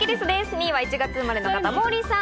２位は１月生まれの方、モーリーさん。